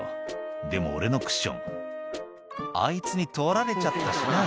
「でも俺のクッションあいつに取られちゃったしな」